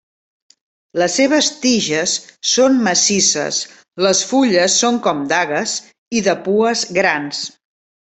Les seves tiges són massisses, les fulles són com dagues i de pues grans.